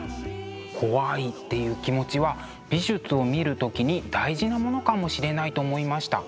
怖いっていう気持ちは美術を見る時に大事なものかもしれないと思いました。